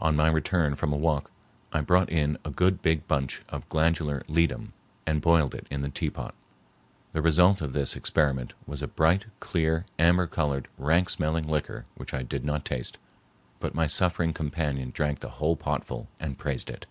On my return from a walk I brought in a good big bunch of glandular ledum and boiled it in the teapot. The result of this experiment was a bright, clear amber colored, rank smelling liquor which I did not taste, but my suffering companion drank the whole potful and praised it.